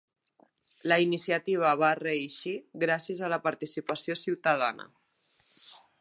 La iniciativa va reeixir gràcies a la participació ciutadana.